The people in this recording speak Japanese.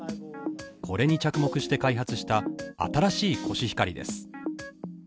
これに着目して開発した新しいコシヒカリです